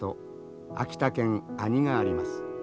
秋田県阿仁があります。